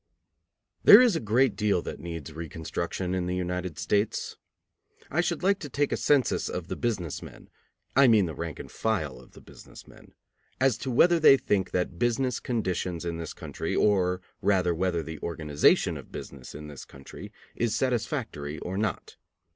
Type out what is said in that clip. There is a great deal that needs reconstruction in the United States. I should like to take a census of the business men, I mean the rank and file of the business men, as to whether they think that business conditions in this country, or rather whether the organization of business in this country, is satisfactory or not.